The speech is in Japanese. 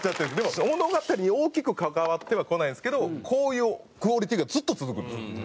でも物語に大きく関わってはこないんですけどこういうクオリティーがずっと続くんですよ。